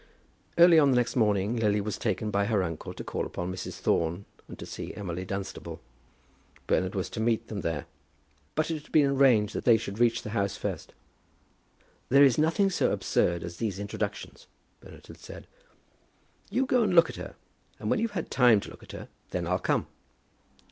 Early on the next morning Lily was taken by her uncle to call upon Mrs. Thorne, and to see Emily Dunstable. Bernard was to meet them there, but it had been arranged that they should reach the house first. "There is nothing so absurd as these introductions," Bernard had said. "You go and look at her, and when you've had time to look at her, then I'll come!"